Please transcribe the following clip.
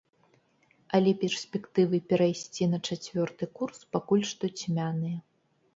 Але перспектывы перайсці на чацвёрты курс пакуль што цьмяныя.